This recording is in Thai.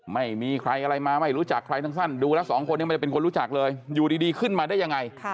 ไม่มีใครอะไรมาไม่รู้จักใครทั้งดูแล้ว๒คนเป็นคนรู้จักเลยอยู่ดีขึ้นมาได้ยังไง